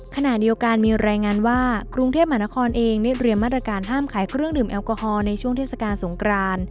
ขณะเดียวกันมีรายงานว่ากรุงเทพมหานครเองได้เรียมมาตรการห้ามขายเครื่องดื่มแอลกอฮอลในช่วงเทศกาลสงคราน